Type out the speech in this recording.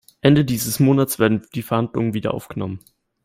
Ende dieses Monats werden die Verhandlungen wiederaufgenommen.